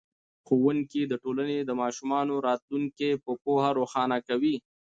ښوونکی د ټولنې د ماشومانو راتلونکی په پوهه روښانه کوي.